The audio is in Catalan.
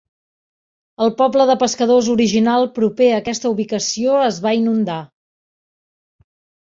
El poble de pescadors original proper a aquesta ubicació es va inundar.